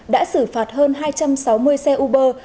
đã xử phạt hơn hai trăm sáu mươi xe uber